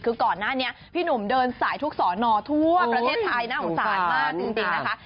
คือก่อนหน้านี้พี่หนุ่มเดินสายทุกสอนอทั่วประเทศไทยน่าสงสารมากจริงนะคะ